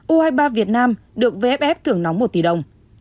u hai mươi ba việt nam được vff thưởng nóng một tỷ đồng